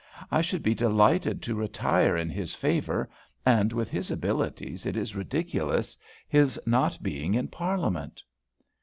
I should be delighted to retire in his favour; and with his abilities it is ridiculous his not being in Parliament."